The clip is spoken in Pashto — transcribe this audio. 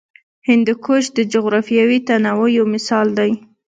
هندوکش د جغرافیوي تنوع یو مثال دی.